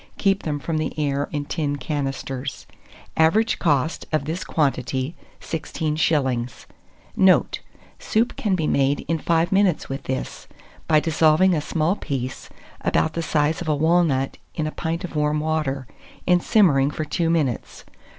Keep them from the air in tin canisters. Average cost of this quantity, 16s. Note. Soup can be made in 5 minutes with this, by dissolving a small piece, about the size of a walnut, in a pint of warm water, and simmering for 2 minutes.